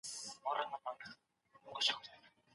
دوی د سياست په اړه پوښتنې کوي.